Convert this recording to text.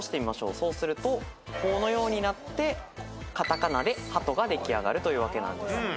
そうするとこのようになって片仮名でハトが出来上がるというわけなんです。